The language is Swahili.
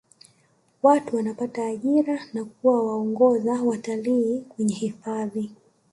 watu wanapata ajira kwa kuwa waongoza watalii kwenye hifadhi